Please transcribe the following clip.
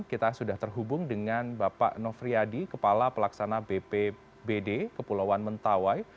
kita sudah terhubung dengan bapak nofriyadi kepala pelaksana bpbd kepulauan mentawai